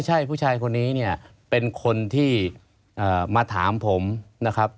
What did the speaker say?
ใช่ผู้ชายคนนี้เนี่ยเป็นคนที่มาถามผมนะครับ